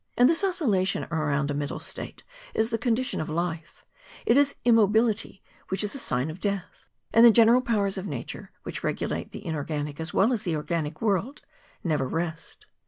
And this oscillation around a middle state is the condition of life ; it is immobility which is a sign of death; and the general powers of nature, which regulate the inor¬ ganic as well as the organic world, never rest.